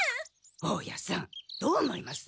大家さんどう思います？